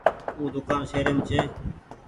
او دوڪآن شهريم ڇي۔